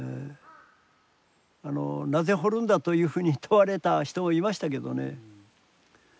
「なぜ掘るんだ」というふうに問われた人もいましたけどね。